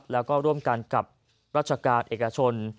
และร่วมกันกับราชกาลเอกชน